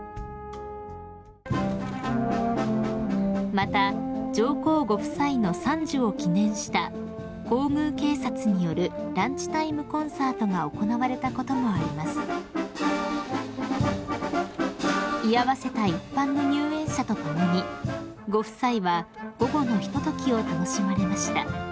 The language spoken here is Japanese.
［また上皇ご夫妻の傘寿を記念した皇宮警察によるランチタイムコンサートが行われたこともあります］［居合わせた一般の入園者と共にご夫妻は午後のひとときを楽しまれました］